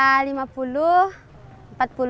uangnya buat apa itu